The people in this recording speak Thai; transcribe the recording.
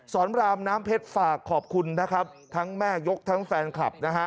สอนรามน้ำเพชรฝากขอบคุณทั้งแม่ยกทั้งแฟนคลับ